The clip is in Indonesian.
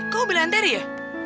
kamu bilang terry ya